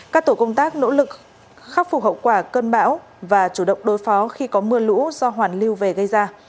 các tổ công tác nỗ lực khắc phục hậu quả cơn bão và chủ động đối phó khi có mưa lũ do hoàn lưu về gây ra